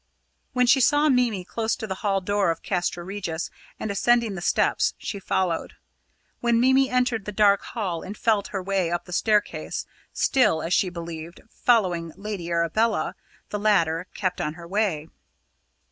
When she saw Mimi close to the hall door of Castra Regis and ascending the steps, she followed. When Mimi entered the dark hall and felt her way up the staircase, still, as she believed, following Lady Arabella, the latter kept on her way.